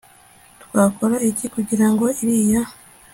twakora iki kugira ngo iriya